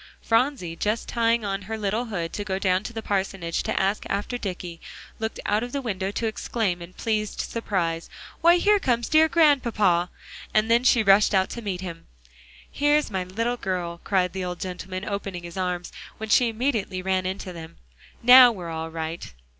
Phronsie, just tying on her little hood, to go down to the parsonage to ask after Dicky, looked out of the window to exclaim in pleased surprise, "Why, here comes dear Grandpapa," and then she rushed out to meet him. "Here's my little girl," cried the old gentleman, opening his arms, when she immediately ran into them. "Now we're all right."